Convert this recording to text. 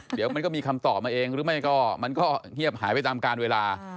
เดี๋ยวมันก็มีคำตอบมาเองหรือไม่ก็มันก็เงียบหายไปตามการเวลา